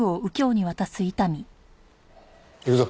行くぞ。